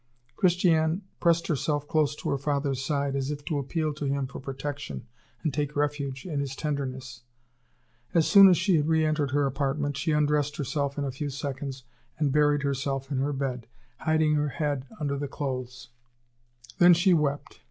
Christiane pressed herself close to her father's side, as if to appeal to him for protection and take refuge in his tenderness. As soon as she had re entered her apartment, she undressed herself in a few seconds and buried herself in her bed, hiding her head under the clothes; then she wept.